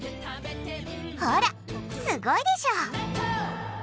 ほらすごいでしょ！